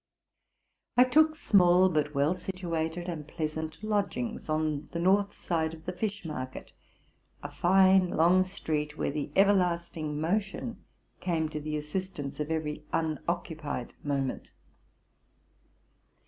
I took small, but well situated and pleasant, lodgings, on the north side of the Fish market, a fine, long street, where the everlasting motion came to the assistance of ev ery unoc cupied moment.